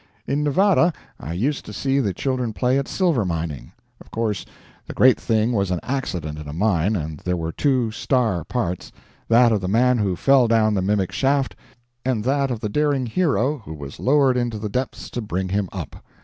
In Nevada I used to see the children play at silver mining. Of course, the great thing was an accident in a mine, and there were two "star" parts; that of the man who fell down the mimic shaft, and that of the daring hero who was lowered into the depths to bring him up.